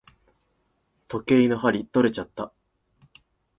時計の針とれちゃった。